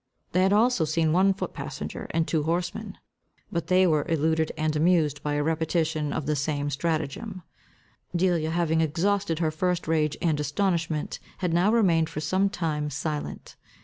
They had also seen one foot passenger, and two horsemen. But they were eluded and amused by a repetition of the same stratagem. Delia, having exhausted her first rage and astonishment, had now remained for some time silent.